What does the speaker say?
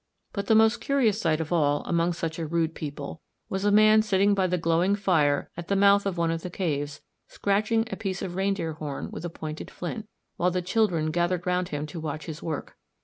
] But the most curious sight of all, among such a rude people, was a man sitting by the glowing fire at the mouth of one of the caves scratching a piece of reindeer horn with a pointed flint, while the children gathered round him to watch his work.